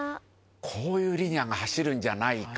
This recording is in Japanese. こういうリニアが走るんじゃないか」